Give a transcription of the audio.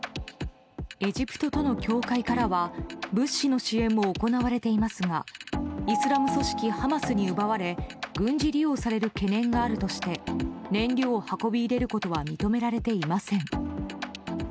エジプトとの境界からは物資の支援も行われていますがイスラム組織ハマスに奪われ軍事利用される懸念があるとして燃料を運び入れることは認められていません。